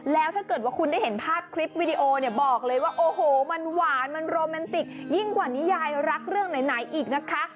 แล้วถ้าเกิดว่าคุณได้เห็นภาพคลิปวิดีโอเนี่ยบอกเลยว่าโอ้โหมันหวานมันโรแมนติกยิ่งกว่านิยายรักเรื่องไหนอีกนะคะ